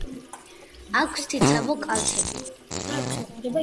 აქვს ციცაბო კალთები.